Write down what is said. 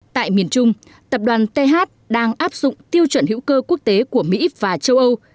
tại miền trung tập đoàn th đang áp dụng tiêu chuẩn hữu cơ quốc tế của mỹ và châu âu